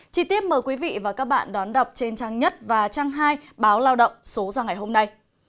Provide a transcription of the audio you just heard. chí tiết mời quý vị và các bạn đón đọc trên trang nhất và trang hai báo lao động số ra ngày hôm nay